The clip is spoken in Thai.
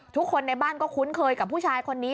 ทุกคนในบ้านก็คุ้นเคยกับผู้ชายคนนี้